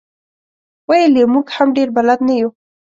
ویل یې موږ هم ډېر بلد نه یو.